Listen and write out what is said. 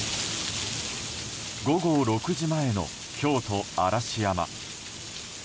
午後６時前の京都・嵐山。